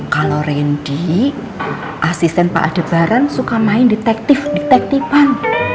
kalau randy asisten pak adebaran suka main detektif detektifan